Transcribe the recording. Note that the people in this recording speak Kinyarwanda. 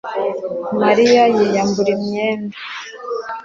Mariya yiyambura imyenda